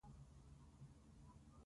خور له الله سره مینه لري.